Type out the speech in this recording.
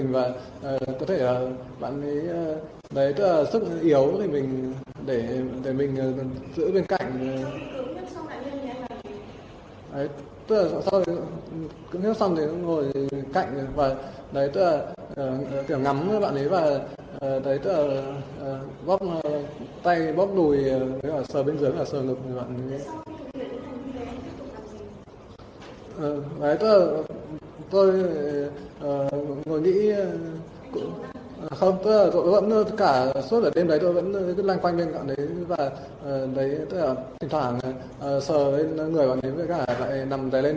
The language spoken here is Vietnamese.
vậy tôi ngồi nghĩ không tôi vẫn cả suốt đợt đêm đấy tôi vẫn cứ lanh quanh bên cạnh đấy và thỉnh thoảng sờ với người bằng đến với cả lại nằm đáy lên